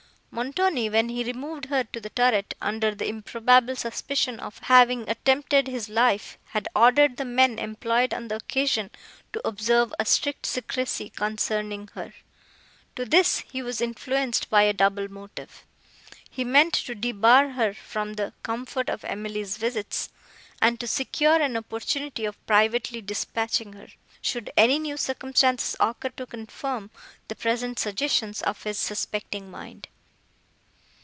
Montoni, when he removed her to the turret under the improbable suspicion of having attempted his life, had ordered the men employed on the occasion, to observe a strict secrecy concerning her. To this he was influenced by a double motive. He meant to debar her from the comfort of Emily's visits, and to secure an opportunity of privately dispatching her, should any new circumstances occur to confirm the present suggestions of his suspecting mind.